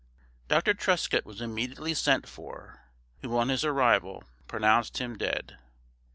Dr. Truscott was immediately sent for, who on his arrival pronounced him dead.